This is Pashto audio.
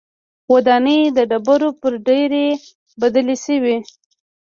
ودانۍ د ډبرو پر ډېرۍ بدلې شوې.